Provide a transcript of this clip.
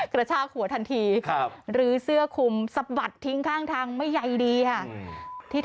กระชากหัวทันทีหรือเสื้อคุมสะบัดทิ้งข้างทางไม่ใยดีค่ะ